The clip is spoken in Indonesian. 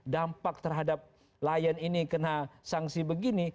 dampak terhadap lion ini kena sanksi begini